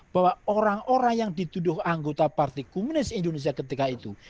bahwa orang orang yang dituduh anggota parti komunis indonesia ketika itu